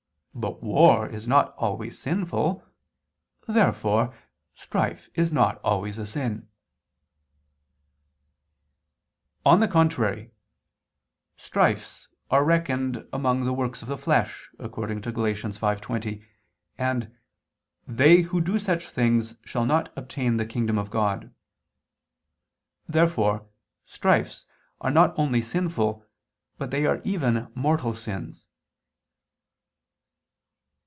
But war is not always sinful. Therefore strife is not always a sin. On the contrary, Strifes [*The Douay version has 'quarrels'] are reckoned among the works of the flesh (Gal. 5:20), and "they who do such things shall not obtain the kingdom of God." Therefore strifes are not only sinful, but they are even mortal sins.